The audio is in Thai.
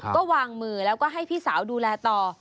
ก็วางมือแล้วก็ให้พี่สาวดูแลต่อ